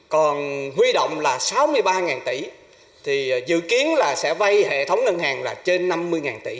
còn huy động là sáu mươi ba tỷ thì dự kiến là sẽ vay hệ thống ngân hàng là trên năm mươi tỷ